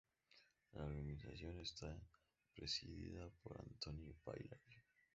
La organización está presidida por Anthony Bailey.